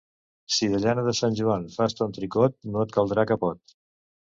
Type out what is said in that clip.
Si de llana de Sant Joan fas ton tricot, no et caldrà capot.